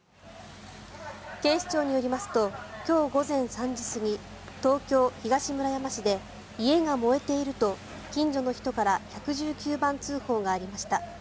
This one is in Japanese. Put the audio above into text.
警視庁によりますと今日午前３時過ぎ東京・東村山市で家が燃えていると近所の人から１１９番通報がありました。